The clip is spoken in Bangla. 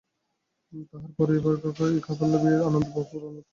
তাহার পরও এই খাইবার লোভে ও আনন্দে অপুর অন্তরতম হৃদয়ে ঘা লাগিল।